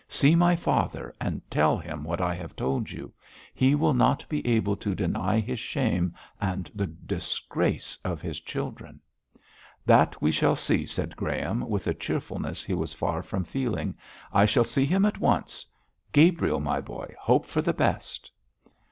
'See my father and tell him what I have told you. He will not be able to deny his shame and the disgrace of his children.' 'That we shall see,' said Graham, with a cheerfulness he was far from feeling. 'I shall see him at once. Gabriel, my boy, hope for the best!'